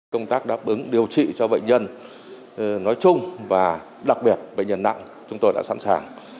công tác đáp ứng điều trị cho bệnh nhân nói chung và đặc biệt bệnh nhân nặng chúng tôi đã sẵn sàng